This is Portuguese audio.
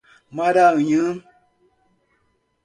Maraã